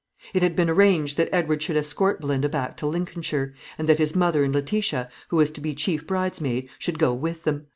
It had been arranged that Edward should escort Belinda back to Lincolnshire, and that his mother and Letitia, who was to be chief bridesmaid, should go with them.